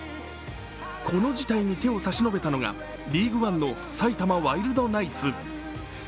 この事態に手を差し伸べたのがＬＥＡＧＵＥＯＮＥの埼玉ワイルドナイツ。